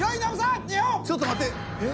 ちょっと待ってえっ？